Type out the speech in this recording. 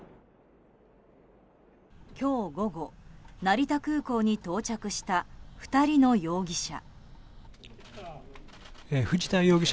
今日午後、成田空港に到着した２人の容疑者。